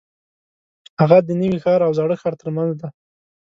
هغه د نوي ښار او زاړه ښار ترمنځ دی.